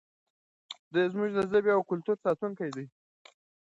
دی زموږ د ژبې او کلتور ساتونکی دی.